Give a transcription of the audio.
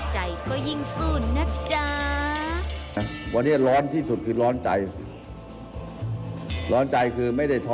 ใจก็ยิ่งอื้นนะจ๊ะ